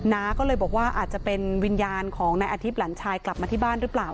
น้าก็เลยบอกว่าอาจจะเป็นวิญญาณของนายอาทิตย์หลานชายกลับมาที่บ้านหรือเปล่า